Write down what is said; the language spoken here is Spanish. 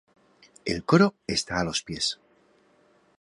El coro está a los pies.